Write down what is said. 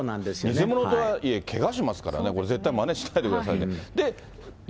偽物とはいえ、汚しますからね、これ絶対まねしないでください。